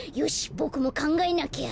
ボクもかんがえなきゃ。